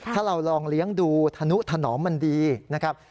ถ้าเราลองเลี้ยงดูธนุถนอมมันดีนะครับ